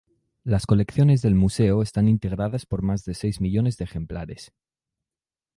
Las colecciones del Museo están integradas por más de seis millones de ejemplares.